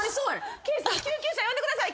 刑事さん救急車呼んでください！